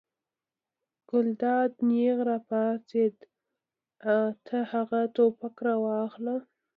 ګلداد نېغ را پاڅېد: ته هغه ټوپک راواخله.